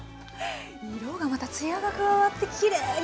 色がまた艶が加わってきれいになりましたね